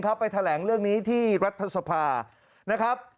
ไปแถลงเรื่องนี้ที่รัฐสภานะครับ